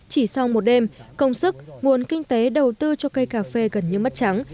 chỉ sau một đêm công sức nguồn kinh tế đầu tư cho cây cà phê gần như mất trắng